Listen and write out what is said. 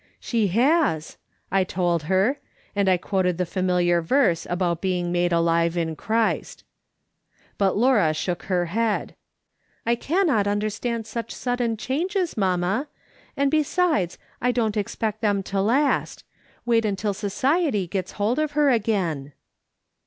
" She has," I told her, and I quoted the familiar verse about being made alive in Christ. But Laura shook her head. " I cannot understand such sudden changes, mam ma ; and besides, I don't expect them to last. AVait until society gets hold of her again."